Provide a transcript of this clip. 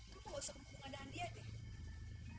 kamu gak usah hubungan dengan dia deh